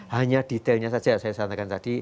hanya detailnya saja saya sampaikan tadi